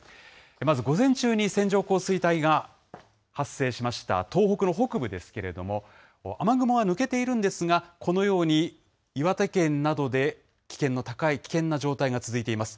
まず午前中に線状降水帯が発生しました東北の北部ですけれども、雨雲は抜けているんですが、このように岩手県などで、危険な状態が続いています。